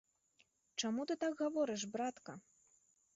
Чаму ты так гаворыш, братка?